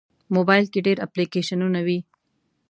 موبایل کې ډېر اپلیکیشنونه وي.